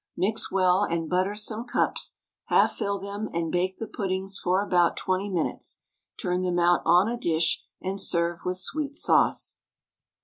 Mix well, and butter some cups, half fill them, and bake the puddings for about 20 minutes. Turn them out on a dish, and serve with sweet sauce.